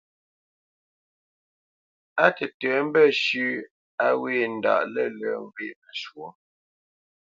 Á tətə̌ mbəshʉ̂ a wě ndaʼ lə̂lə̄ ŋgwě məshwǒ.